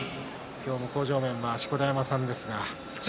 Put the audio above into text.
今日、向正面は錣山さんです。